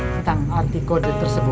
tentang arti kode tersebut